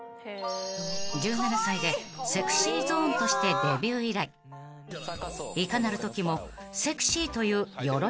［１７歳でＳｅｘｙＺｏｎｅとしてデビュー以来いかなるときも］